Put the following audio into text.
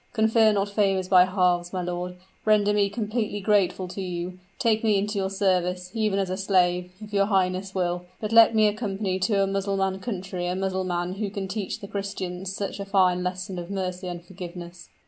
Confer not favors by halves, my lord render me completely grateful to you! Take me into your service even as a slave, if your highness will; but let me accompany to a Mussulman country a Mussulman who can teach the Christians such a fine lesson of mercy and forgiveness."